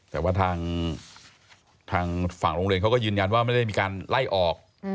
แต่ว่าทางฝั่งโรงเรียนเขาก็ยืนยันว่าไม่ได้มีการไล่ออก